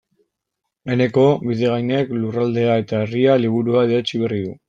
Eneko Bidegainek Lurraldea eta Herria liburua idatzi berri du.